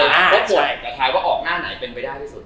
เพราะผลแทนว่าออกหน้าไหนเป็นไปได้ที่สุด